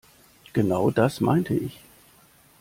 Genau das meinte ich.